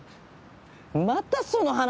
またその話？